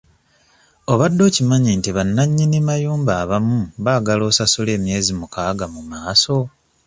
Obadde okimanyi nti bannanyini mayumba abamu baagala osasulenga emyezi mukaaga mu maaso.